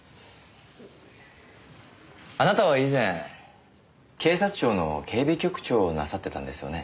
あなたは以前警察庁の警備局長をなさってたんですよね？